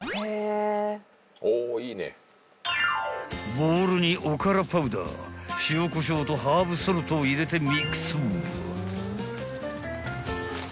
［ボウルにおからパウダー塩こしょうとハーブソルトを入れてミックス］